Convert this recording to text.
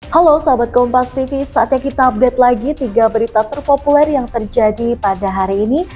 halo sahabat kompas titi saatnya kita update lagi tiga berita terpopuler yang terjadi pada hari ini